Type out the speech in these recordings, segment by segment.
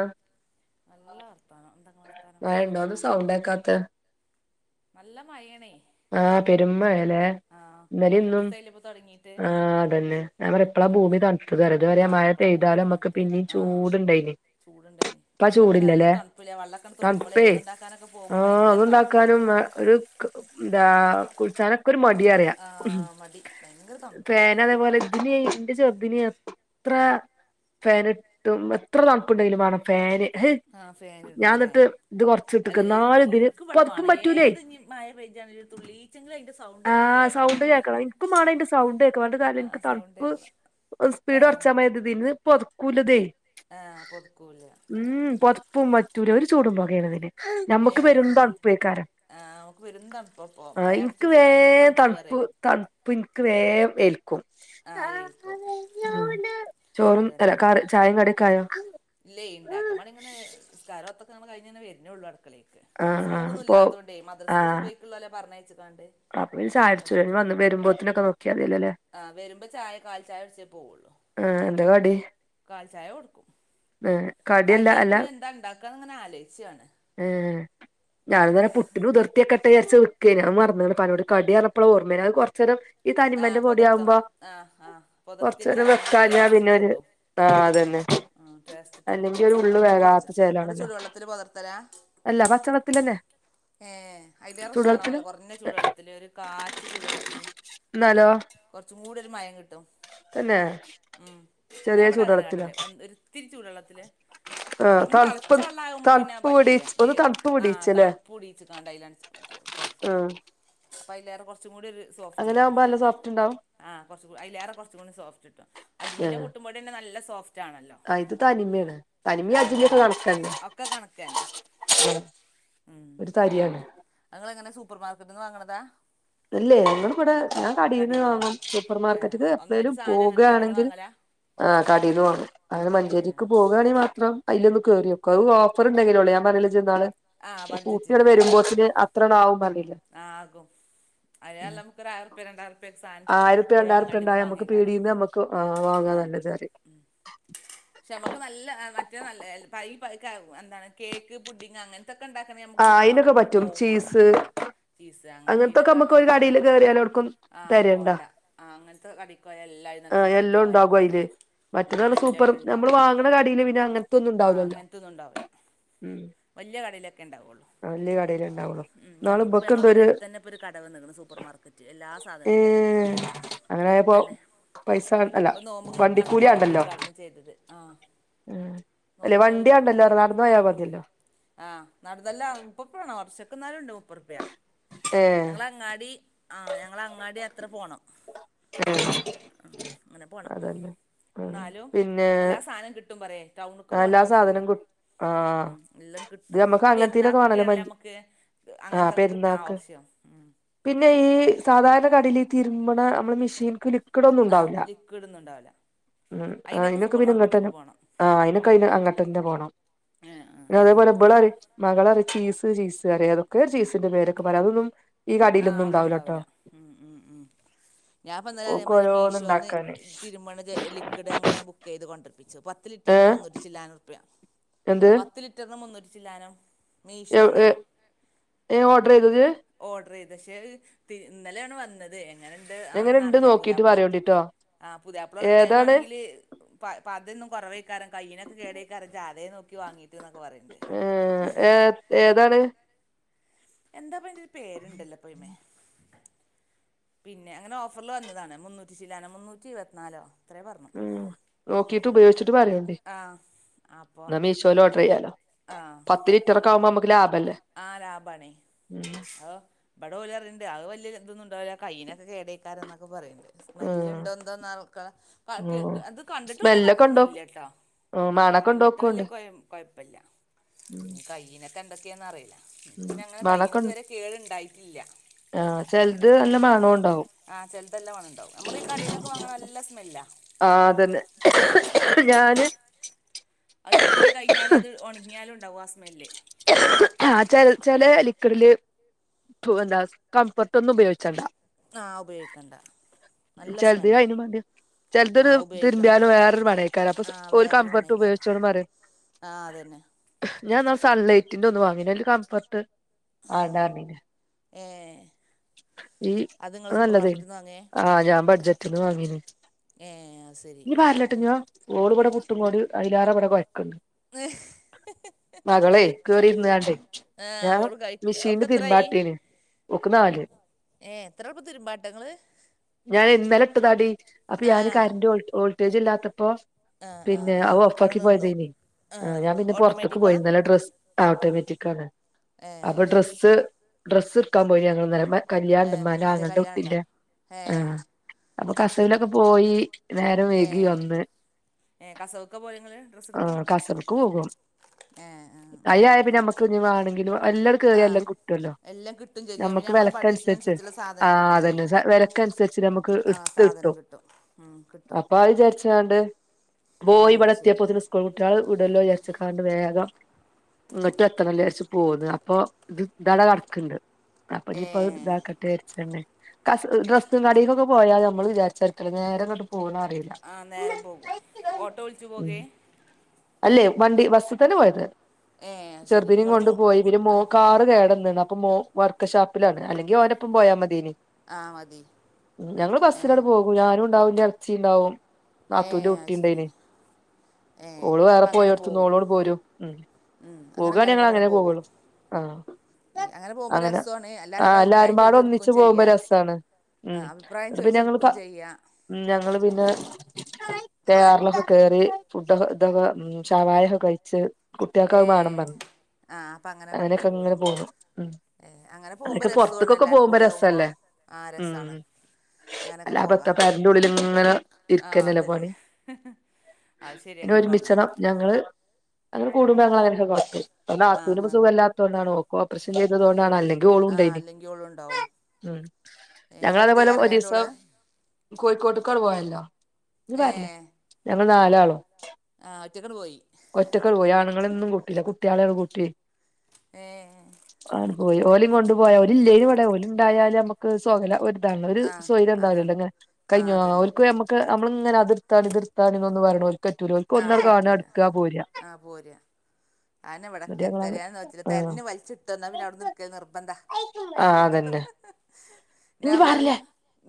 ആഹ് നല്ല വർത്തനം എന്താ ങ്ങളെ വർത്താനം സൗണ്ടേകാത് നല്ല മഴേണേയ് ആഹ് പെരുമ്മഴലേ ഇന്നലി ഇന്നും രണ്ടീസായില്ലേ ഇപ്പൊ തൊടങ്ങീട്ട് ആഹ് അതന്നെ പറപ്പളാ ഭൂമി രണ്ടീസം തണു അത് വെറുത പറയാ ആഹ് മഴ ഇപ്പളാ പെയ്താലും നമ്മുക്ക് പിന്നെയും ചൂടുണ്ടായിന് ചൂടുണ്ടായിന് ഇപ്പ ഞൻപറയാ നല്ല തണുപ്പില്ലേ വള്ളക്കണ തടുമ്പോളേ ഒളൂ ഉണ്ടാക്കൊനൊക്കെ പോകുമ്പോ ഭയങ്കര തണുപ്പ് ക്കാനും ഒരു ക്കാ ന്താ കുൾച്ചാനൊക്കെ ഒരു മടിറിയ [unintelligible] ആഹ് മടി ഭയങ്കര തണുപ്പ് പിന്നെ അതെ പോലെ ന്റെ ചെറുതിന് എത്ര ഫാൻ ഇട്ടും എത്ര തണുപ്പുണ്ടെങ്കിലും വേണം ഫാൻ ഏഹ് ആഹ് ഫാന് ഞാൻ ഇടണല്ലേ എന്നിട്ട് ഇത് അത് കൊറച്ചിട്ടക്ക് നാല ഇതിന് ഇനിക്ക് ഇവിടെ പുതപ്പും വേണം പറ്റൂലേ ഏത് ഇനി മഴ പേജ്ജാണെങ്കിലും തുള്ളീചെങ്കിലും അയ്‌ന്റെ സ് ആഹ് സൗണ്ട് കേക്കണം എനിക്കും മാണന്റെ സൗണ്ട് കേക്കന്റെ കാരണം ആഹ് എനിക്ക് സൗണ്ട് തണുപ്പ് കേക്കണം സ്പീഡ് ആഹ് ഉറച്ചാ മയത്തിന്ന് പൊതുക്കൂലതേ ആഹ് പൊതുക്കൂല ഉം പൊത്പ്പും മറ്റൂല ഒരു ചൂടും പോകയണതിന് ഏഹ് ആഹ് ഓക്ക് പെരും ത ആഹ് ഇനിക്ക് വേം തണുപ്പ് തണുപ്പ് ഇനിക്ക് വേം ഏൽക്കും ആഹ് ഏൽക്കും ചോറുംല കാറ് ചായും കടിക്കായോ ഇല്ല ഉണ്ടാക്കും അടി ഇങ്ങനെ നിസ്കാര ഓത്തൊക്കെ നമ്മ കഴിഞ്ഞന്നെ വരുന്നുേള്ളൂടക്കളേക്ക് ആഹ് സ്കൂളൊന്നും ഇപ്പൊ ഇല്ലതോണ്ടേ മദ്രസ്ക്ക് സുബഹിക്കുള്ളല്ലേ പറഞ്ഞയച്ചക്കാണ്ട് അപ്പ ചായ കുടിച്ചു വരുമ്പോത്തനൊക്കെ നോക്കിയതില്ല ല്ലേ ആഹ് വരുമ്പോ ചായ കാൽ ചായ വച്ചേ പോവുള്ളു ആഹ് എന്ത കടി കാൽ ചായ കൊടുക്കും ഏഹ് കടിയല്ല കടി അല്ല പിഞ് എന്താ ഉണ്ടാക്കാന്ന് അങ്ങനെ ആലോയ്ച്ചാണ് ഞാൻ തന്നെ പുട്ടിന് ഉതിർത്തിക്കെട്ടെ വിചാരിച്ച നിക്കെനി ഞാ മറന്നണ്പ്പ ന്നോട് കടി പറഞ്ഞപ്പോ ഓർമ്മേന കുറചേരം ഈ ആഹ് തനിമന്റെ പൊടി ആവുമ്പോ പൊതിർത്തണം ആഹ് ആഹ് പൊതിർത്തി കൊറച്ച നേരം വെച്ചാലേ അതിന്റെ വെക്കാഞ്ഞാ പിന്നെരു ആഹ് അതന്നെ ആഹ് ടേസ്റ്റ് കിട്ടുള്ളു അല്ലെങ്കി ഒരു ഉള്ള് ഒന്ന് കുറച്ച് വേകാത്ത ഇങ്ങൾ ചേലാണല്ലോ ചുടുവെള്ളത്തില് പുതർത്തലാ അല്ല പച്ചള്ളത്തിലന്നെ ഏഹ് അയ്ലേറെഷറാണല്ലോ കുറഞ്ഞ ചൂടുവെള്ളത്തില് ഒരു കാച്ച് ചൂടു വെള്ളത്തില് എന്നാലോ കുറച്ചും കൂടി ഒരു മയം കിട്ടും തന്നെ ഉം ഞാൻ ചെറിയ ഇവിടെ അങ്ങനെ ചൂടുവെള്ളത്തിലോ കാട്ടല് ഒരു ഇത്തിരി ചുടു വെള്ളത്തില് ആഹ് പെരും തണുപ്പ് തിളച്ച വെള്ള ആകുമ്പോ പിന്നെ തണുപ്പ് പറ്റൂല പിടിച്ച് ഒന്ന് വേവും തണുപ്പ് ആ പിടിച്ചല്ലേ തണുപ്പ് വെടീച്ച ക്കാണ്ട് ആഹ് [unintelligible] അപ്പൊ അയ്ലേറെ കൊറച്ചും കൂടി ഒര് അങ്ങനെ ആവുമ്പോ നല്ല സോഫ്റ്റ് ഉണ്ടാവും ആഹ കൊറച്ച അലേറെ കുറച്ചും കൂടി സോഫ്റ്റ് കട്ടും അജ്മിന്റെ പുട്ടും പോടി തന്ന നല്ല സോഫ്റ്റ് ആണല്ലോ ആ ഇത് തനിമയാണ് തനിമ ആ അജ്മി ഒക്കെ തന്മ കാണക്കന്ന ഒക്കെ കണക്ക് തന്നെ ഒരു തരിയാണ് നിങ്ങൾ എങ്ങനെ സൂപ്പർ മാർക്കറ്റ നിന്ന് വാങ്ങണതാ അല്ലേ ഞങ്ങൾ ബടെ ഏ ഞാൻ കടയിൽന്ന് കടീന്ന് വാങ്ങും ഏ സൂപ്പർമാർക്കറ്റ ഒന്നായിട്ട് എപ്പളെലും സാധനം അങ്ങനെ കടീന്ന് പോകുകയാണെങ്കിൽ വാങ്ങലാ ആ കടയിലു വാങ്ങും അങ്ങെനെ ഏ മഞ്ചേരിക്ക് ശരി പോകുകയാണെങ്ക മാത്രം അതില്ന്ന് കേറിയോക്കോ ഓഫർ ഉണ്ടെങ്കിലോള്ള ഞാൻ പറഞ്ഞില്ലേ ചെന്നാള് ആ കട്ടികളടെ ബഡ്ജറ്റിലല്ലേ വരുമ്പോത്തിന് [unintelligible] ആകും അതിലേറെ നല്ലത് നമ്മക്ക് ഒരു ആയിരം പ്യാ രണ്ടായിരം പ്യാ ന്റെ പ സാധനാം ആയിരറുപ്യ ഇവിടെ രണ്ടായിരറുപ്യ അങ്ങടിന്ന് ഉണ്ടായ നമുക്ക് വാങ്ങിയിക്കാരം പീടീന്ന് നമുക്ക് ആഹ് വാങ്ങാ ആഹ് നല്ലത് കിട്ടും പറയും ഉ പക്ഷെ നമുക്ക് നല്ല മറ്റേ നല്ല പ എന്താണ് കേക്ക് പുഡിങ് അങ്ങനെ അങ്ങനെതൊക്കെ ഉണ്ടാക്കണ നമുക്ക് ആഹ് സൂപ്പർ അയിനൊക്കെ മാർക്കറ്റിൽ പറ്റും പോകണം ചീസ് ആഹ് ചീസ് അങ്ങനത്തൊക്കെ അങ്ങനത്തേനൊക്കെ നമുക്ക് ഒരു നക്ക കടേല് കേറിയാലോട്ക്കും ആഹ തെരയണ്ട പോണ്ട ആ അങ്ങനത്തെൊക്കെ.. കട എല്ലായിനി കിട്ടിപ്പോരെ മറ്റന്നാണ് സൂപ്പറ് നമ്മള് വാങ്ങണ കടിയില് പിന്നെ അങ്ങനത്തൊന്നും ഇണ്ടാവല്ലല്ലോ വല്യാ കടയിലൊക്കെണ്ടാവുള്ളൂ ആ വല്യാ കടയിലുണ്ട് ഉം ഞങ്ങക്ക്പ്പൊ ഞങ്ങള ഇവിടട്തന്ന ഇപ്പൊ ഒരു കട വന്നേക്ക്ണു സൂപ്പർമാർക്കറ്റ് എല്ലാ സാധനവും ഉണ്ടയില് ഏഹ് അങ്ങനായപ്പോ എടുത്തന്നെ പൈസ അല്ല ഇപ്പൊ നോമ്പുങ്ങക്കാണ് ഇപ്പൊ വണ്ടിക്കൂലി ഉദ്ഘാടനം ചെയ്തത് ആഹ് ഉ അല്ലേ നോമ്പിനാ ഉദ്ഘാടനം വണ്ടിയാണ്ടല്ലോ ചെയ്തത് നടന്ന് പോയാൽ മതിയല്ലോ ആഹ് നടന്നല്ല [unintelligible] ഓട്ടർഷക്ക്ണ്ട് മുപ്പതുറുപ്യ ഏഹ് ഞങ്ങള അങ്ങാടി ആഹ് ഞങ്ങളങ്ങാടി അത്ര പോണം അങ്ങനെ പോണം അതന്നെ ഉം എന്നാലും പിന്നെ എല്ലാ സാധനം കിട്ടും പറയ ടൗണക്ക് പോകണ്ട എല്ലാ ആവശ്യല്ല സാധനം കിട്ടും ആഹ് ഉം എല്ലാം ഇത് കിട്ടും നമ്മക്ക് ഈ അങ്ങനത്തീനൊക്കെ വേണല്ലോ പെരുന്നാക്കൊക്കെയാണല്ല മഞ്ച് നമുക്ക് ആഹ് അങ്ങനത്തൊക്കെ കിട്ടാ പെരുന്നാക്ക് ആവശ്യം ഉം പിന്നെ ഈ സാധാരണ കടേല് തിരുമ്പണ നമ്മള് മെഷീൻക്ക് ലിക്വിഡ് ഒന്നും ആ ഉണ്ടാവില്ല ലിക്വിഡോന്നും ഉണ്ടാവില്ല ഉം അയിനൊക്കെ സൂപ്പർ മാർക്കറ്റ്ക്ക് പിന്നെങ്ങട്ടനും പോണം ആഹ് അയിനൊക്കെ അന് അങ്ങട്ടന്ന പോണം ഏഹ് ആഹ് പിന്നെ ആഹ് അതേപോലെ ഇബളറിം മകള അറിയ ചീസ് ചീസറിയ അതൊ ചീസിന്റെ പേരൊക്കെ പറയാം അതൊന്നും ഈ ആഹ് കടയിലൊന്നും അവിടെ ഇണ്ടാവില്ലട്ടോ ഉണ്ടാവൂല ഉം ഉം ഉം ഞാൻ പ്പോ ഇന്നലെ ഓക്ക് അതേമാതിരി ഓരോന്ന് മീഷോന്ന് ഇണ്ടാക്കാന് തിരുമണ ക്ക്ഡ് അങ്ങന ബുക്ക് ചെയ്ത് കൊണ്ട് വർത്തിച്ചു പത്ത് ലിറ്ററിന് ഏഹ് മുന്നൂറ്റി ചില്ലാനും റുപ്യാ എന്ത് ലിറ്ററിനു മുന്നൂറ്റിച്ചില്ലാനോ ഏഹ് ഓർഡർ ചെയതോ ഇജ്ജ് [unintelligible] ഇന്നലെയാണ് വന്നത് എങ്ങനെ അങ്ങനുണ്ട്ന്ന ഇണ്ട് അറിയില്ല നോക്കിട്ട് പുതിയാപ്ള പറയോണ്ടിട്ടോ പുതിയാപ്പിള പറിണ്ട് അത്‌ ഏതാണ് മാണെങ്കിൽ പതക്കെ കുറവേക്കാര കയിനക്കെ കേടക്കാര ചാതെ [unintelligible] പറിം ഏഹ് ഏഹ് ഏതാണ് എന്താപ്പ അയിന്റൊരു പേരുണ്ടല്ലോ പയിമേ പിന്നെ അങ്ങനെ ഓഫറിൽ വന്നതാണ് മുന്നൂറ്റി ചില്ലാനോ മുന്നൂറ്റി ഇരുപത്തിനാലോ അത്രേ പറഞ്ഞു ഉം നോക്കിട്ട് ഉപയോഗിച്ചിട്ട് പറയോണ്ടീ ആഹ് അപ്പൊ എന്നാ മീഷോൽ ഓർഡർ ചെയ്യാലോ ആഹ് പത്ത് ലിറ്ററൊക്കെ ആവുമ്പോ നമുക്ക് ലാഭല്ലേ ആഹ് ലാഭാണേ ഉം ആഹ് ഇവിടെ ഓലറീണ്ട് അത് വല്യ ഇതൊന്നുണ്ടാവില്ല കയ്യിനൊക്കെ കേടയ്ക്കാരം എന്നൊക്കെ പറയുണ്ട് ഉം സ്മെല്ല്ണ്ടോ എന്തോന്ന്ക്ക ഉം അത് കണ്ടിട്ട് വല്ല കൊഴപ്പൊന്നും ഇല്ലട്ടോ ഓ മണ കണ്ടിട്ട് വലിയ കൊഴ കൊഴപ്പല്ല ഉം ഇനി കൈയ്യിനൊക്കെ എന്തൊക്കെയാന്നറിയില്ല ഇൻക്ക് ഉം പിന്നെ അങ്ങനെ കയ്യിന്ന് ഇതു വരെ അങ്ങനെ കേട്ണ്ടായിട്ടില്ല ആഹ് ചിലത് നല്ല മണോണ്ടാവും ആഹ് ചെലതല്ല മണണ്ടാവും നമ്മള് ഈ കടീനൊക്കെ വാങ്ങണ നല്ല സ്മെല്ലാ ആഹ് അതന്നെ നല്ല സ്മെല്ലേ കാരണം ഞാന് അത് തിരുമ്പി കയിഞ്ഞാല് അത് ഒണിങ്ങിയാലും ഉണ്ടാവും ആ സ്മെല്ല് ആഹ് ചെല ലിക്ഡില് എന്താ കംഫർട്ട് ഒന്നും ഉപയോഗിച്ചണ്ട ആഹ് ഉപയോഗിക്കണ്ട നല്ല ചെലതില് സ്മെല്ലാ അയിനും വാണ്ടി ആ ചെലതൊരു ഉപയോഗിക്കണം തിരുമ്പിയാലും വേറൊരു മണായിരിക്കും അപ്പൊ ആ ഓര് കംഫർട്ട് ഉപയോഗിച്ചോണ്ട് പറയും ആഹ് അതന്നെ ഞാൻ ഇന്നാൾ സൺലൈറ്റിന്റെ ഒന്നു വാങ്ങീനിം അയില് കംഫർട്ട് വാണ്ടാ പറഞ്ഞീനിം ഏ ഈ നിങ്ങൾ അത് സൂപ്പർ നല്ലതയ്നിം മാർക്കറ്റിൽ നിന്ന് വാങ്ങേ ആഹ് ഞാൻ ബഡ്ജറ്റ്ന്ന് വാങ്ങീന് ഏ അത് ശരി ഇനി പാരലട്ടോ കുഞ്ഞോ ഓളിവിടെ പുട്ടും പൊടി അയ്ലാറിവിടെ കൊഴയ്ക്ക്‌ണ്ട് ഏഹ് കേറിയിരുന്നാണ്ടേ ആഹ് ഞാൻ ഓള് കഴിക്ക ഓക്ക് മിഷീനില് എത്രായി തിരുമ്പാട്ടീന് ഓക്ക് നാല് ഏഹ് എത്ര എളുപ്പം തരുമ്പാട്ടങ്ങള് ഞാൻ ഇന്നലെ ഇട്ടതാടി അപ്പൊ ആ ഞാന് കറന്റ് വോൾട്ടേജ് ഇല്ലാത്തപ്പോ ആ ആ പിന്നെ ആ അഹ് അവിടെ ഓഫാക്കി നിന്നു പോയതേനി ആ ആഹ് ഞാൻ പിന്നെ പൊറത്തക്ക് ഓട്ടോമാറ്റിക്കാ പോയി ഇന്നലെ ഡ്രസ്സ് ഓട്ടോമാറ്റിക് ആണ് ഏ അപ്പൊ ഡ്രസ്സ് ഡ്രസ്സ് എടുക്കാൻ പോയി ഞങ്ങള് ഇന്നലെ ഏ കല്യാണണ്ട് ഉമ്മാന്റെ എന്തേ ആങ്ങളന്റെ കല്യാണം ഉണ്ടോ കുട്ടിന്റെ ഏ ആഹ് അപ്പൊ അത് ശരി കസവിലൊക്കെ പോയി നേരം വൈകി ഏ വന്ന് ഏ കസവൊക്കെ പോലെ ഇങ്ങള് ഡ്രസ്സ് എടുക്കാം ആഹ് കസവ്ക്ക് പോകും ഏ ആ അയ്ലായ പിന്നെ നമ്മക്ക് ക്ക് ഇനി വാണെങ്കിലും [unintelligible] ആ കേറിയ എല്ലാം കിട്ടോല്ലോ എല്ലാം കിട്ടും ചെയ്യും പിന്നെ നമക്ക് നമ്മളെ വെലക്കനുസരിച്ച് ബഡ്ജറ്റിനനുസരിച്ചുള്ള സാധനം ആഹ് കിട്ടും ചെയ്യും അതന്നെ വിലക്ക് അനുസരിച്ച് നമുക്ക് എടുത്ത് കിട്ടും ആഹ് കിട് അപ്പൊ അത് വിചാരിച്ചാണ്ട് ഏ പോയി ഇവിടെ അത് ശരി എത്തിയപ്പോന് സ്കൂൾ ട്ട്യാളെ വിടലോ വിചാരിച്ചാണ്ട് വേഗം ഇങ്ങട്ട് എത്തണല്ലോച്ച് പോന്ന് അപ്പൊ ഇത് ഇതാട കടക്ക്ണ്ട് അപ്പൊ ഏ ഇനിയിപ്പോ ഇതാക്കട്ടെ വിചാരിച്ചാണ്ട് കസവ് ഡ്രെസ്സും കടക്കൊക്കെ പോയാൽ നമ്മൾ വിചാരിച്ച നേരം ഇങ്ങട്ട് പോണ അറിയില്ല ആ നേരം പോകും ഓട്ടോ വിളിച്ചു ഉം പോകേ അല്ലേ വണ്ടി ബസ്ത്തന്നെ പോയത് ഏ അത് ശരി ചെറുതിനേ ഇങ്ങള് കൊണ്ടു മോ പോയി പിന്നെ കുട്ട് മോൻ കാറ് കേടന്നണ് അപ്പൊ മോ വർക്ക്ഷോപ്പിലാണ് അല്ലെങ്കിൽ ഓന്റൊപ്പം പോയാൽ മതിനിം ആ മതി ഞങ്ങള് ഏ ബസ്സിലണ് പോകും ഞാനും ഉണ്ടാവും ഇന്റെ എളച്ചി ഉണ്ടാവും ഏ നാത്തൂന്റെ കുട്ടി അത് ശരി ഉണ്ടയ്നിം ഏ ഓള് വേറെ അപ്പം അങ്ങനെ പോയടത്തന്ന് പോകും ഓളണ്‌ പോരും ഉം ഉം അങ്ങനെ പോകാണെങ്കി എല്ലാവരും ഞങ്ങള് കൂടെ അങ്ങനെ പോകും പോവുള്ളൂ ആഹ് പോകുമ്പോൾ അങ്ങനെ രസമാണ് ആ എല്ലാവരോടും അഭിപ്രായം എല്ലാരുംമ്പാടും ഒന്നിച്ച് ചോദിച്ചെടുക്കുകയും പോകുമ്പോ ചെയ്യുക രസമാണ് ഉം ആ അഭിപ്രായം അപ്പ ഞങ്ങള്ൾ പിന്നെ ചോദിച്ചെടുക്കുകയും പ ചെയ്യുക ഉ ഞങ്ങള് പിന്നെ തയ്യറിലൊക്കെ കേറി ഫുഡൊക്കെ ഇതൊക്കെ ഉം ശാവായൊക്കെ കഴിച്ച് കുട്ടികക്ക വേണം പറഞ്ഞു ആഹ് അപ്പൊ അങ്ങനെ കഴിച്ചു അങ്ങനെയൊക്കെ അങ്ങനെ പോന്നു ഉം ഏ അങ്ങനെ പോകുമ്പോ അതൊക്കെ രസമാണ് പുറത്തക്കൊക്കെ എല്ലാരും പോകുമ്പോ കൂടി ആവുമ്പോ രസല്ലേ ആ ഉം രസമാണ് അങ്ങനൊക്കെ അല്ലാപത്ത പോകാം പെരന്റെ ഉള്ളിൽ ഇങ്ങനെ ആഹ് ഇരിക്കന്നല്ലേ അതന്നെ പണി ആയ് ശരിയ പിന്നെ ഒരുമിച്ചണം ഞങ്ങള് അങ്ങനെ കൂടുമ്പോ ങ്ങൾ അങ്ങനെയൊക്കെ പൊർത്തു പോവും അ ആ ആത്തൂന് ഇപ്പം അങ്ങനെ കാട്ടും സുഖമല്ലാത്തതൊണ്ട ഓക്ക് ഓപ്പറേഷൻ ചെയ്തുകൊണ്ടാ അല്ലെങ്കിൽ ഓളും ആ ഉണ്ടയിന് അല്ലെങ്കിൽ ഓളും ഉണ്ടാവും ഉം ഇങ്ങളെ ഞങ്ങളതുപോലെ ഒരു അടുത്തേക്കാരല്ലേ ഇങ്ങട്ട് ദിവസം ഓള് കോഴിക്കോട്ടക്കാണ് പോയല്ലോ ഇ ഏ വരില്ലേ ഞങ്ങള് നാലാളോ ആ ഒറ്റക്കന് പോയി ഒറ്റക്കങ്ങട് പോയി ആണുങ്ങളൊന്നും കൂട്ടില്ല കുട്ടികളികളേം കൂട്ടി ഏ ആണ് പോയി ഓലും കൊണ്ടു പോയി ഓല ഇല്ലേുംവിടെ ഓല ഉണ്ടായാലല് നമ്മുക്ക് സ്കലം അ ഒരു ആ സ്വയ് അതാണ് ഉണ്ടാവില്ലല്ലോ ഇങ്ങനെ ആ കഴിഞ്ഞോ അതന്നെ ഓര്ക് വേം നമ്മക്ക് നമ്മളിങ്ങനെ അതിർത്താണ് ഇതിർത്താണ്ണ എന്നൊന്ന് പറണോ ഓ- റ്റുരോക്ക് ആ ഒന്ന് കാണ പറ്റൂല എടുക്കാ പോരാ എന്നിട്ട് ആനെവിടക്കെ ഞങ്ങളാണ് തെരയാൻ നോക്കില്ല ആഹ് തെരഞ്ഞു വലിച്ചിട്ട് എന്നാ പിന്നെ അവിടുന്ന് എടുക്കൽ നിർബന്ധാ ആഹ് അതന്നെ ഇഞ്ഞ് ഞാൻ പറയും പാറില്ലേ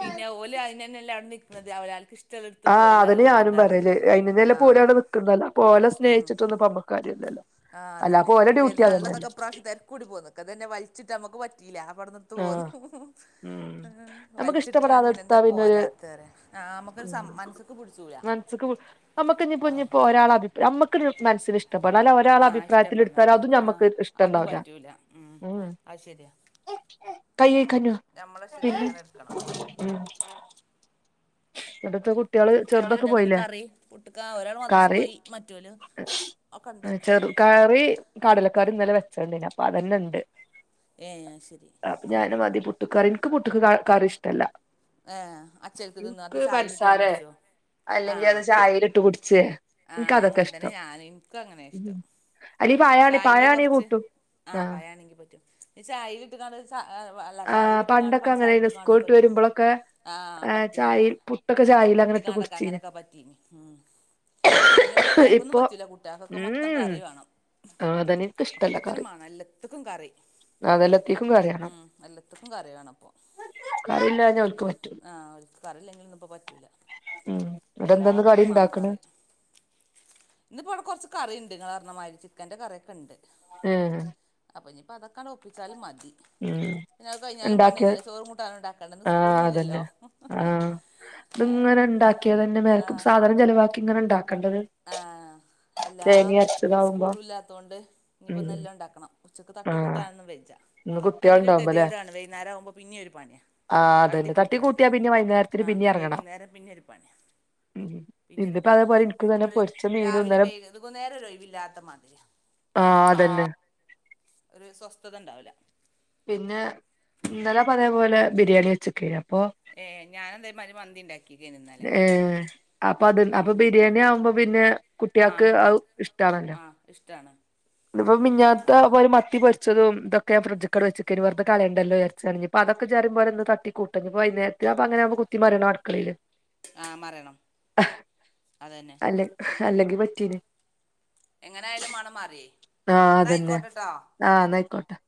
പിന്നെ ഓല് അയ്നന്നെല്ലെ അവിടെ നിക്കുന്നത് അവലാക്ക് ഇഷ്ട്ട ആഹ് അതിന് ഞാനും പറയലേ അയിന്ന്നെല്ല ആഹ് ഓല് അവിടെ നൽക്കുന്നതല്ലോ ഓലെ സ്നേഹിച്ചിട്ടൊന്നും നമ്മക്ക് കാര്യല്ലല്ലോ ആഹ് അതന്നെ അല്ലാപ്പൊ ഓലെ ഡ്യൂട്ടി പെരുന്നാളിന്നൊക്കെ അതന്നെല്ലേ ഉപ്രാവശ്യ തിരക്കൂടി പോകു നിക്ക അതന്നെ വലിച്ചിട്ട്മുക്ക് പറ്റിയില്ല അവിടന്ന ത്ത പോന്നു ആഹ് ഉ ഉം നമ്മക്ക് വലിച്ചിട്ട് കാണ ഇഷ്ടപ്പെടാതെ പിന്ന ഇട്ത്താ എന്താ പിന്നൊരു പോരാത്തരെപറയ നമുക്കൊരു മനസ്സൊക്ക് പിടിച്ചൂല മനസ്സക്ക് നമ്മുക്ക ഞ്ഞിഇപ്പോ ഇപ്പോ ഒരാൾ അഭി നമ്മക്ക് ഒരു മനസിന് ഇഷ്ടപ്പെടാല ഒരാൾ ആഹ് അഭിപ്രായത്തിൽ ഇഷ്ടപ്പെടണം എടുത്താലും അതും ആഹ് നമ്മക്ക് ഇഷ്ടണ്ടാവൂല അത്‌ ശരിയ കൈയ്യയ്ക്കഞ്ഞു ഞമ്മളെ ഇഷ്ടത്തിനങ്ങനെ എടുക്കണം ഇവടത്തെ കു കുട്ട്യാള് ന്തന്നട്ട് കറി പുട്ട്ക്ക ഒരാൾ മദ്രസക്ക് കറി കൊയി മറ്റൊല് ഒക്കണ്ട് ചെറു കറി കടലക്കറി ഇന്നലെ വെച്ചോണ്ട് അപ്പൊ അതന്നെ ഉണ്ട് ഏ ശരി അപ്പൊ ഞാനും മതി പുട്ട്കറി ഇൻക് പുട്ട്ക്കറി ഇഷ്ടല്ല ആഹ് അചെൽക്ക്‌ തിന്നോ അതോ എനിക്ക് ചായിലിട്ട് പൻസാരെ കുടിച്ചോ അല്ലെങ്കിൽ അത് ആഹ് ചായൽ ഇട്ട് കുടിച്ചേ എനിക്ക് ആഹ് അതൊക്കെ അങ്ങനെ തന്നെ ഇഷ്ടം ഞാന ഇൻക്കും അങ്ങനെ ഇഷ്ടം അല്ലെങ്കി പഴാണെ ചായൽ പഴാണെ കുറച്ച് കൂട്ടും ആഹ് പയാണെങ്കി പറ്റും ചായില് ഇട്ടിങ്ങാണ്ട് ച വെള്ള ആഹ് ചായല് ഇട്ടിങ്ങാണ്ട് പണ്ടൊക്കെ പഞ്ചസാര അങ്ങനെയ്ന്നു ഇട്ടിങ്ങാണ്ട് സ്കൂൾ വിട്ട് പറ്റും വരുമ്പോളൊക്കെ ആഹ് പറ്റും ചായയിൽ പുട്ടൊക്കെ ചായയിൽ ഇട്ട് അങ്ങനെ കാണ്ടക്കെ കുടിച്ചീന് അങ്ങനൊക്കെ പറ്റീന് ഉം പിന്നെ കുട്ടികൾക്ക് ഒന്നും ഇപ്പൊ പറ്റൂല്ല കുട്ടികൾക്ക്ക്കെ മൊത്തം ഉം കറി വേണം അതന്നെ എനിക്ക് ഇഷ്ടല്ല ഒക്കത്തിനും കറി മാണം എല്ലാത്തക്കും കറി അതെല്ലാത്തേക്കും കറിയണം ഉം ഇത്രക്കും കറി വേണംപ്പൊ കറിയില്ലാഞ്ഞ ഓൽക്ക് പറ്റൂല ആഹ് ഒ കറിയില്ലെങ്കിലും ഒന്നും ഇപ്പോ പറ്റൂല ഉം എന്നിട്ട് എന്താന്ന് കടി എല്ലാത്തക്കും മാണം ഇണ്ടാക്കണ് കറി ഇന്നിപ്പോ ഇവിടെ കൊറച്ച് കറിഉണ്ട് നിങ്ങള്ർണ മാതിരി ചിക്കന്റെ കറിക്കെണ്ട് എഹ് അപ്പഞ്ഞിപ്പോ അതൊക്കണ്ട് ഒപ്പിചാലും മതി ഉം പിന്നത് കയിഞ്ഞാലും ഇണ്ടാക്കിയ പണിയല്ലേ ചോറും കൂട്ടാനും ഇണ്ടാക്കണ്ടേ ആഹ് അതന്നെ ആഹ് ത്ങ്ങനെ ഉണ്ടാക്കിയതന്നെ മേലക്കു സാധനം ചെലവാക്കെ തങ്ങനെ ഇണ്ടാക്കണ്ടേത് ആഹ് അല്ലാ അരച്ചതാവുമ്പോ സ്കൂള ഇല്ലാത്തൊണ്ട് ഉം ഇനിപ്പോന്ന എല്ലാം ഉണ്ടാക്കണം ഉച്ചക്ക് തട്ടി ആഹ് കൂട്ടാനൊന്നും വെജ ഇന്ന് അത് പിന്നെ ഒരു കുട്ടികളുണ്ടാവുമ്പല്ലേ കെതേടാണ് വൈന്നാരുമ്പോ പിന്നിം ഒരു പണിയാ ആഹ് അതന്നെ തട്ടി കൂട്ടിയാ പിന്നെ വൈന്നേരത്തിന് ആ പിന്നെ ഇറങ്ങണം വൈകുന്നേരം പിന്നെ ഒരു പണിയാണ് ഇന്നിപ്പോ അതേമാതിരി അപ്പൊരു രാവിലെയും വൈകു വൈകുന്നേരം ഓരോയിവില്ലാത്തമാതിരിയാ ആഹ് അതന്നെ ഒരു സ്വസ്ഥത ഉണ്ടാവില്ല പിന്നെ ഇന്നലാ പതേപോലെ ബിരിയാണി വെച്ചകയ്ഞ്ഞ അപ്പൊ ഏ ഞാനന്തായമാതിരി മന്തിണ്ടാക്കി ഏ അപ്പൊ അത് അപ്പൊ മന്തി ഉണ്ടാക്കി ബിരിയാണി ആവുമ്പോ പിന്നെ ആ കുട്ടികൾക്ക് അ ഉണ്ടാവും ഇഷ്ടണ് ആ ഇഷ്ടമാണ് ഇപ്പോ മിഞ്ഞാത്ത അത് മത്തി പ അച്ചത ഇതൊക്കെ ഫ്രിഡ്ജൊക്കെ വെക്കി വെറുതെ കളയണ്ടല്ലോ ഉരച്ചഞ്ഞഞ്പ്പോ അതൊക്കെ ഒന്ന് തട്ടി കൂട്ടഞ്ഞപ്പോ അതിന ഞാൻപ്പോ അങ്ങനാവുമ്പോ കുത്തിമറിയണം അടുക്കളില് ആഹ് മറയണം അതന്നെ അല്ലെ അല്ലെങ്കി പറ്റീന് എങ്ങനൊയാലും മണം മാറിയേ ആഹ് എന്നാ അതന്നെ ആയിക്കോട്ടെട്ടോ ആഹ് നയ്ക്കോട്ടെ